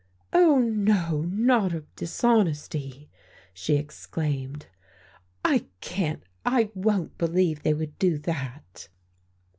"Oh, no, not of dishonesty!" she exclaimed. "I can't I won't believe they would do that."